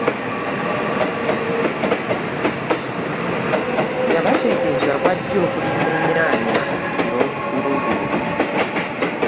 Yabategeeza bwajja okulima ennyaanya n'obutungulu.